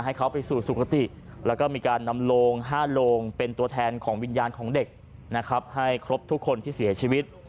ให้เขาไปสู่สุขติแล้วก็มีการนำโลง๕โลงเป็นตัวแทนของวิญญาณของเด็กนะครับให้ครบทุกคนที่เสียชีวิต